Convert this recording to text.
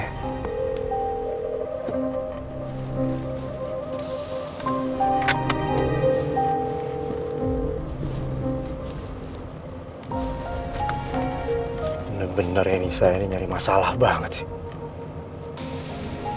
bener bener ya nisa ini nyari masalah banget sih